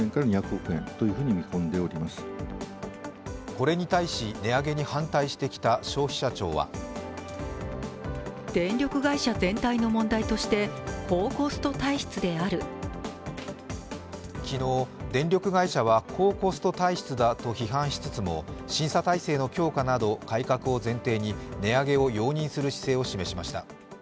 これに対し、値上げに反対してきた消費者庁は昨日、電力会社は高コスト体質だと批判しつつも審査体制の強化など改革を前提に値上げを容認する姿勢を示しました。